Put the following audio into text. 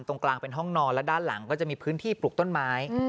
ตรงกลางเป็นห้องนอนและด้านหลังก็จะมีพื้นที่ปลูกต้นไม้